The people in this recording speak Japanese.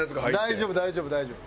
大丈夫大丈夫大丈夫。